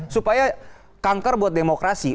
supaya kanker buat demokrasi